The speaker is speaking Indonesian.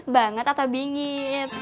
banget atau bingit